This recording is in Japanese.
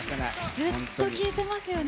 ずっと聴いてますよね。